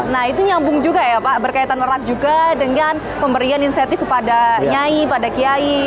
nah itu nyambung juga ya pak berkaitan merak juga dengan pemberian insentif kepada nyai pada kiai